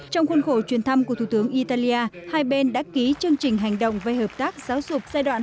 trong khuôn khổ chuyên thăm của thủ tướng italia hai bên đã ký chương trình hành động với hợp tác giáo dục giai đoạn hai nghìn một mươi chín hai nghìn hai mươi hai